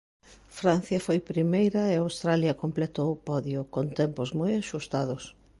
Francia foi primeira e Australia completou o podio, con tempos moi axustados.